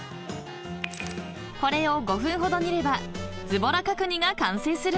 ［これを５分ほど煮ればズボラ角煮が完成するんです］